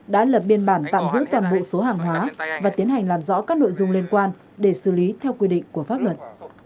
đã lập biên bản tạm giữ toàn bộ số hàng hóa và tiến hành làm rõ các nội dung liên quan để xử lý theo quy định của pháp luật